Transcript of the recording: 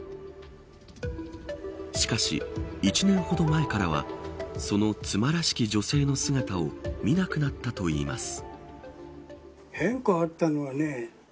しかし、１年ほど前からはその妻らしき女性の姿を見なくなったといいます。